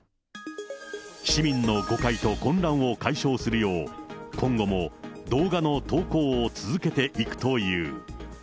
市民の誤解と混乱を解消するよう、今後も動画の投稿を続けていくという。